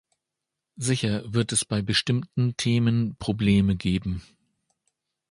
Sicher wird es bei bestimmten Themen Probleme geben.